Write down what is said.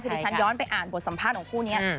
เดี๋ยวฉันย้อนไปอ่านบทสัมภาษณ์ของคู่นี้